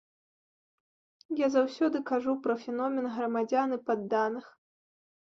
Я заўсёды кажу пра феномен грамадзян і падданых.